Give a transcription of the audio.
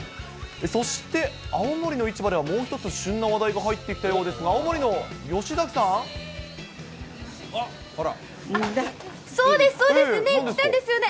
そして、青森の市場ではもう一つ、旬の話題が入ってきたようですが、そうです、そうです。